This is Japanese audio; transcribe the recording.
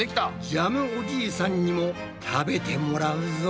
ジャムおじいさんにも食べてもらうぞ。